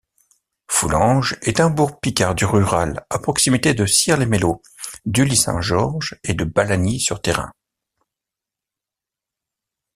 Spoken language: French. Foulangues est un bourg picard rural à proximité de Cires-les-Mello, d'Ully-Saint-Georges et de Balagny-sur-Thérain.